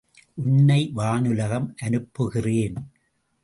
உன்னை வானுலகம் அனுப்புகிறேன்!